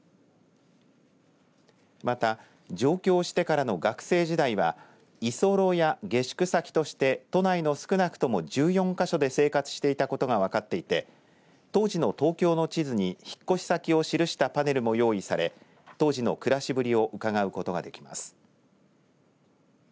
また上京してからの学生時代は居候や下宿先として都内の少なくとも１４か所で生活していたことが分かっていて当時の東京の知人に引っ越し先を記したパネルも用意され当時の暮らしぶりをうかがうことができます。